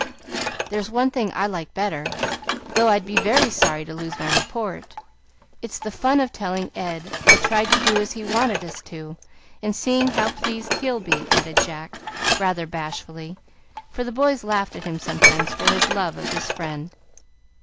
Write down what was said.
"There's one thing I like better, though I'd be very sorry to lose my report. It's the fun of telling Ed I tried to do as he wanted us to, and seeing how pleased he'll be," added Jack, rather bashfully, for the boys laughed at him sometimes for his love of this friend.